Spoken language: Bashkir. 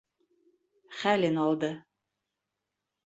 Хәлен алды.